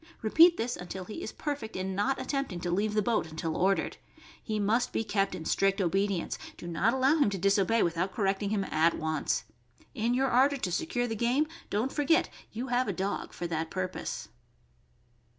Repeat this until he is perfect in not attempting to leave the boat until ordered. He must be kept in strict obedience; do not allow him to disobey without correcting him at once. In your ardor to secure the game, don't forget that you have a dog for that purpose.